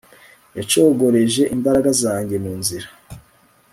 yacogoreje imbaraga zanjye mu nzira